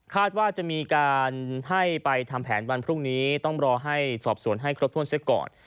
ว่าจะมีการให้ไปทำแผนวันพรุ่งนี้ต้องรอให้สอบสวนให้ครบถ้วนเสียก่อน